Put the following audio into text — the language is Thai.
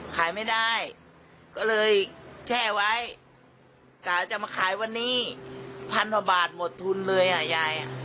ขายไม่ได้ก็เลยแช่ไว้กะจะมาขายวันนี้พันกว่าบาทหมดทุนเลยอ่ะยาย